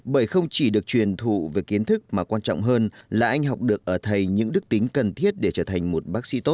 bởi không chỉ được truyền thụ về kiến thức mà quan trọng hơn là anh học được ở thầy những đức tính cần thiết để trở thành một bác sĩ tốt